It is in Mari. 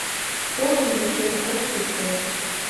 Порым вучен от шукто.